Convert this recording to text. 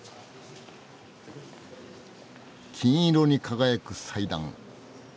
金色に輝く祭壇。